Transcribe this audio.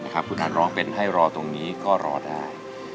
คุณอันร้องเป็นให้รอตรงนี้ก็รอได้